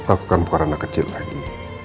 aku kan bukan anak kecil lagi